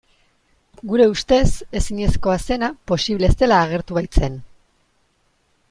Gure ustez ezinezkoa zena posible zela agertu baitzen.